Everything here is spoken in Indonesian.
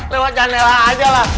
lewat janela aja lah